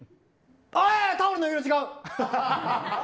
タオルの色違う！